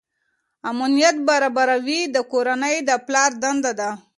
امنیت برابروي د کورنۍ د پلار دنده ده.